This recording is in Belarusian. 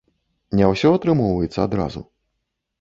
Не ўсё атрымоўваецца адразу.